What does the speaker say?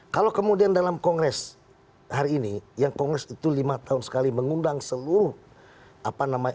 kalau kemudian dalam kongres hari ini yang kongres itu lima tahun sekali mengundang seluruh apa namanya